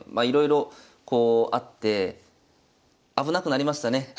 いろいろこうあって危なくなりましたね。